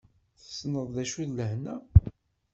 Tessneḍ d acu d lehna?